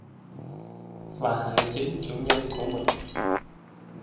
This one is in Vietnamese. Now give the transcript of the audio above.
và hại chính chủ nhân của mình